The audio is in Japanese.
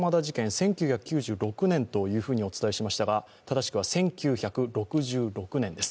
１９９６年というふうにお伝えしましたが正しくは１９６６年です。